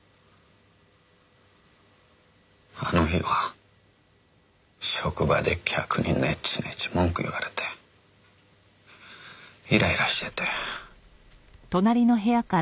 あの日は職場で客にネチネチ文句言われてイライラしてて。